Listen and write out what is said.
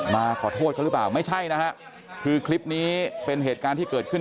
มาขอโทษเขาหรือเปล่าไม่ใช่นะฮะคือคลิปนี้เป็นเหตุการณ์ที่เกิดขึ้น